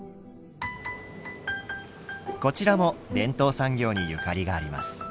こちらも伝統産業にゆかりがあります。